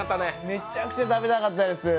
めちゃくちゃ食べたかったです。